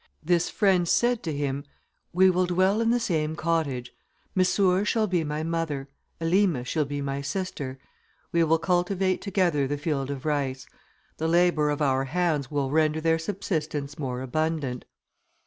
This friend said to him, "We will dwell in the same cottage. Missour shall be my mother; Elima shall be my sister. We will cultivate together the field of rice; the labour of our hands will render their subsistence more abundant."